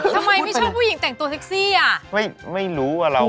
ทำไมไม่ชอบผู้หญิงแต่งตัวสิ๊กซี้อ่ะห่วงไม่รู้ว่าเรา